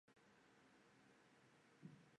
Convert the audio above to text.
这些争论随后发展为台湾乡土文学论战。